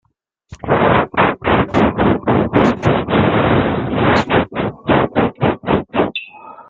Le paganisme arabe existait depuis longtemps sur la péninsule Arabique.